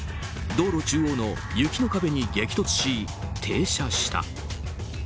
道路中央の雪の壁に激突し停車した。